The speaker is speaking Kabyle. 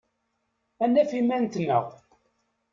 Ad naf iman-nteɣ.